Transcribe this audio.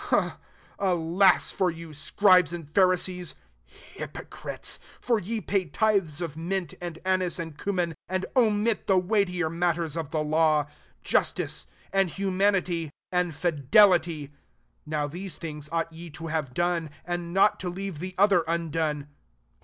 23 " Alas for you, Scribes Pharisees, hypocrites! for pay tithes of. mint and anii and cummin, and omit tf weightier matters of the la justice, and humanity, and MATTHEW XXIV. 61 delity : now these thiogs ought ye to have done, and not to leaire the other undone.